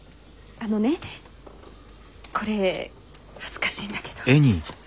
あのねこれ恥ずかしいんだけど。